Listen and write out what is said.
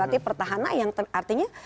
artinya pertahanan yang artinya